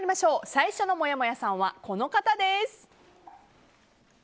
最初のもやもやさんはこの方です。